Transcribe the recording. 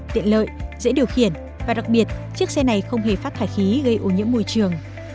tiện lợi dễ điều khiển và đặc biệt chiếc xe này không hề phát thải khí gây ô nhiễm môi trường